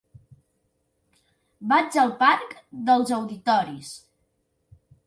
Vaig al parc dels Auditoris.